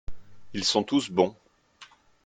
Ils sont tous bons.